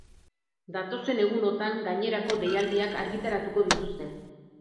Datozen egunotan gainerako deialdiak argitaratuko dituzte.